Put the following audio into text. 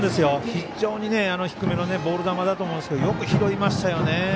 非常に低めのボール球だと思うんですけどよく拾いましたよね。